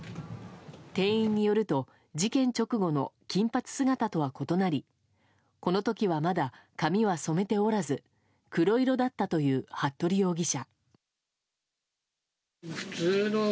店員によると事件直後の金髪姿とは異なりこの時はまだ髪は染めておらず黒色だったという服部容疑者。